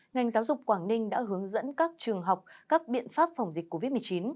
ngành giáo dục quảng ninh đã hướng dẫn các trường học các biện pháp phòng dịch covid một mươi chín